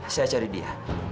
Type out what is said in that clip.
saya cari dia